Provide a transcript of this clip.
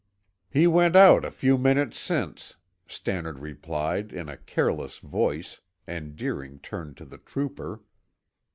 "He went out a few minutes since," Stannard replied in a careless voice and Deering turned to the trooper.